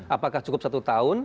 apakah cukup satu tahun